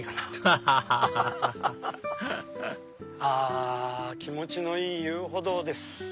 アハハハあ気持ちのいい遊歩道です。